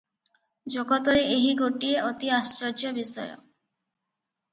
ଜଗତରେ ଏହି ଗୋଟିଏ ଅତି ଆଶ୍ଚର୍ଯ୍ୟ ବିଷୟ ।